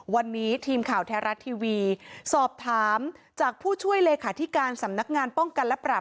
วันนี้ทีมข่าวแท้รัฐทีวีสอบถามจากผู้ช่วยเลขาธิการสำนักงานป้องกันและปราบ